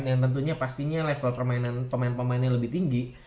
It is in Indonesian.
yang tentunya pastinya level pemain pemainnya lebih tinggi